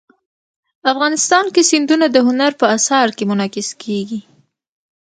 افغانستان کې سیندونه د هنر په اثار کې منعکس کېږي.